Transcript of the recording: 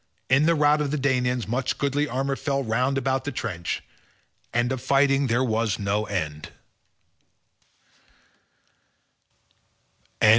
In the rout of the Danaans much goodly armour fell round about the trench, and of fighting there was no end.